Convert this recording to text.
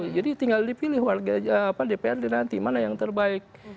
jadi tinggal dipilih warga dprd nanti mana yang terbaik